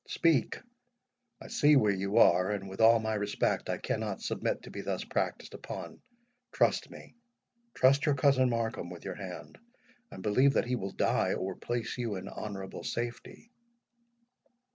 Speak—I see where you are, and, with all my respect, I cannot submit to be thus practised upon. Trust me—trust your cousin Markham with your hand, and believe that he will die or place you in honourable safety."